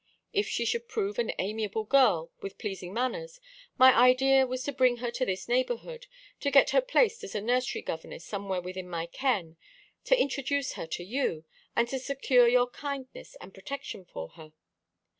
If she should prove an amiable girl, with pleasing manners, my idea was to bring her to this neighbourhood, to get her placed as a nursery governess somewhere within my ken, to introduce her to you, and to secure your kindness and protection for her.